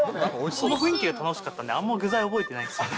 その雰囲気が楽しかったんで、あんま具材は覚えてないんですよね。